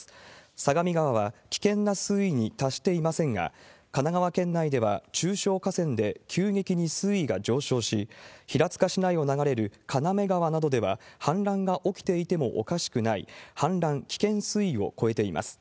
相模川は危険な水位に達していませんが、神奈川県内では中小河川で急激に水位が上昇し、平塚市内を流れる金目川などでは、氾濫が起きていてもおかしくない、氾濫危険水位を超えています。